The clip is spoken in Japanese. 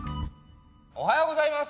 おはようございます。